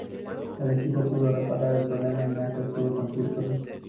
El equipo pudo reparar el problema y Nasser pudo seguir corriendo.